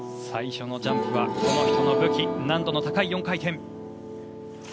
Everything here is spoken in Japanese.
最初のジャンプはこの人の武器難度の高い４回転。